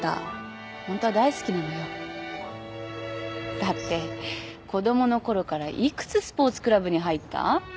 だって子供のころから幾つスポーツクラブに入った？